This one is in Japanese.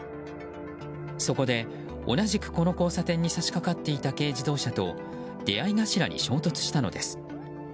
そこで、同じくこの交差点に差し掛かっていた軽自動車と出合い頭に衝突したのです。